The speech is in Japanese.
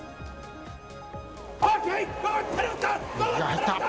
入った。